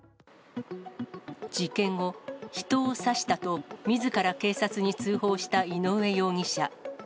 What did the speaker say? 事件後、人を刺したとみずから警察に通報した井上容疑者。